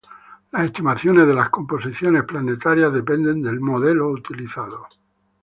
Las estimaciones de las composiciones planetarias dependen del modelo utilizado.